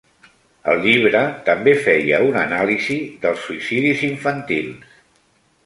El llibre també feia un anàlisi dels suïcidis infantils.